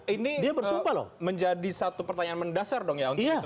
ini menjadi satu pertanyaan mendasar dong ya untuk itu